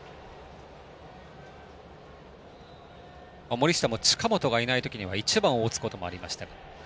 森下も近本がいない時には１番を打つこともありました。